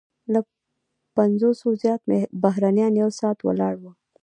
له پنځوسو زیات بهرنیان یو ساعت ولاړ وو.